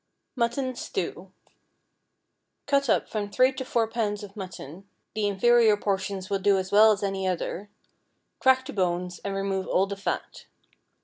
MUTTON STEW. ✠ Cut up from three to four pounds of mutton,—the inferior portions will do as well as any other,—crack the bones, and remove all the fat.